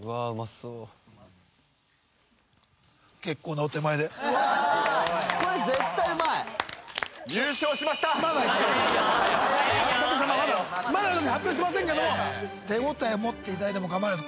そう早いよまだ発表してませんけども手応え持っていただいても構わないです